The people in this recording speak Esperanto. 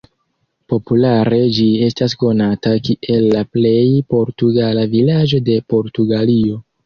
Populare ĝi estas konata kiel la""plej portugala vilaĝo de Portugalio"".